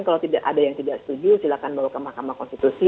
kalau tidak ada yang tidak setuju silahkan bawa ke mahkamah konstitusi